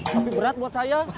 tapi berat buat saya